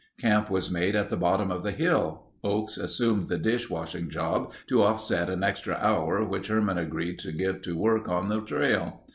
Camp was made at the bottom of the hill. Oakes assumed the dish washing job to offset an extra hour which Herman agreed to give to work on the trail.